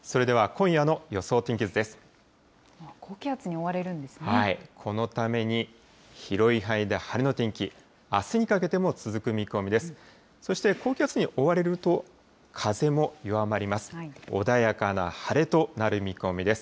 このために、広い範囲で晴れの天気、あすにかけても続く見込みです。